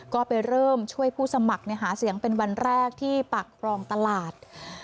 ก็ไปเริ่มช่วยผู้สมัครหาเสียงเป็นวันแรกที่ปากครองตลาด